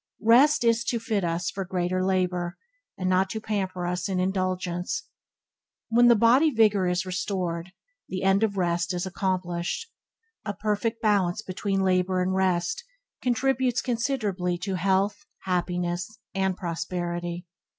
Rest is to fit us for greater labour, and not to pamper us in indolence. When the bodily vigour is restored, the end of rest is accomplished. A perfect balance between labour and rest contributes considerably to health, happiness, and prosperity.